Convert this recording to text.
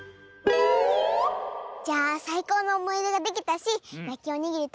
じゃあさいこうのおもいでができたしやきおにぎりたべたからかえろう。